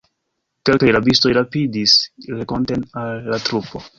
Kelkaj rabistoj rapidis renkonten al la trupo.